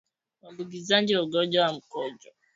Uambukizaji wa ugonjwa wa mkojo